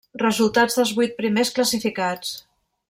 Resultats dels vuit primers classificats.